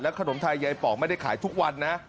แล้วขนมไทยใยป๋องไม่ได้ขายทุกวันนะ